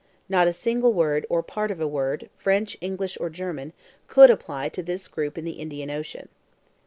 Not a single word, or part of a word, French, English or German, could apply to this group in the Indian Ocean.